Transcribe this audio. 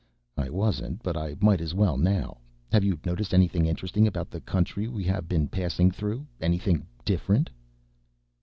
"I wasn't but I might as well now. Have you noticed anything interesting about the country we have been passing through, anything different?"